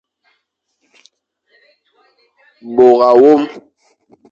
Bôr awôm.